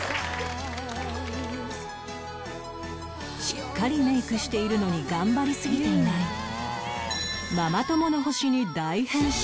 しっかりメイクしているのに頑張りすぎていないママ友の星に大変身